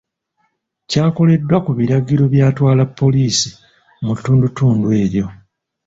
Kyakoleddwa ku biragiro by'atwala poliisi mu ttundutundu eryo.